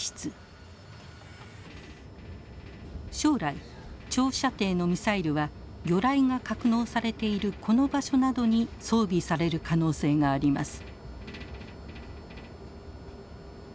将来長射程のミサイルは魚雷が格納されているこの場所などに装備される可能性があります。